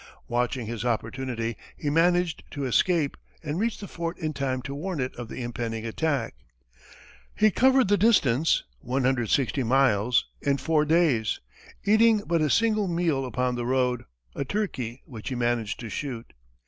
Watching his opportunity, he managed to escape, and reached the fort in time to warn it of the impending attack. He covered the distance, 160 miles, in four days, eating but a single meal upon the road a turkey which he managed to shoot.